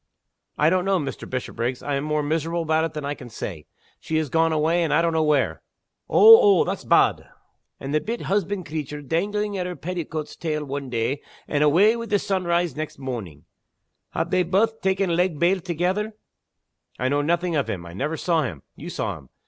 "I don't know, Mr. Bishopriggs. I am more miserable about it than I can say. She has gone away and I don't know where." "Ow! ow! that's bad. And the bit husband creature danglin' at her petticoat's tail one day, and awa' wi' the sunrise next mornin' have they baith taken leg bail together?" "I know nothing of him; I never saw him. You saw him.